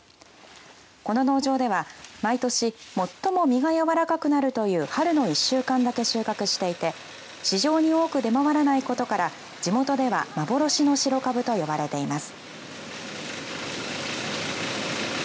この農場では毎年、最も実が柔らかくなるという春の１週間だけ収穫していて市場に多く出回らないことから地元では幻の白かぶと呼ばれています。